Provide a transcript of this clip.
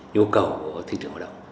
nhu cầu của thị trường hội động